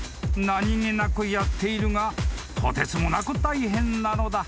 ［何げなくやっているがとてつもなく大変なのだ］